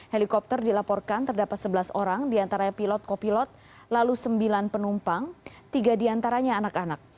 helikopter dilaporkan terdapat sebelas orang diantara pilot kopilot lalu sembilan penumpang tiga diantaranya anak anak